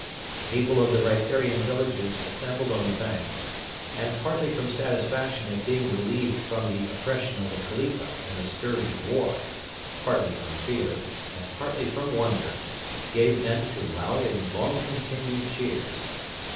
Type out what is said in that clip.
The people of the riparian villages assembled on the banks, and, partly from satisfaction at being relieved from the oppression of the Khalifa and the scourge of war, partly from fear, and partly from wonder, gave vent to loud and long continued cheers.